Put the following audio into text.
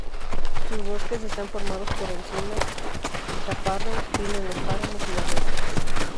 Sus bosques están formados por encina, chaparro, pino en los páramos y laderas.